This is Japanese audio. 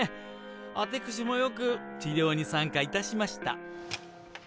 アテクシもよく治療に参加いたしました。